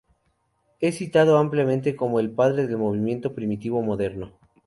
Es citado ampliamente como el padre del movimiento primitivo moderno.